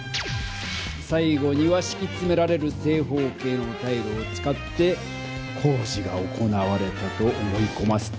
さい後にはしきつめられる正方形のタイルを使って工事が行われたと思いこませた。